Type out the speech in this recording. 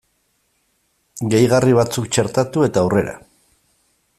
Gehigarri batzuk txertatu eta aurrera!